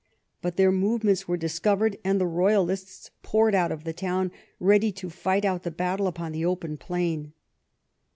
But their movements were discovered, and the royalists poured out of the town, ready to fight out the battle upon the open plain.